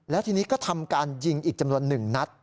แล้วทีนี้ก็ทำการยิงอีกจำนวน๑นัด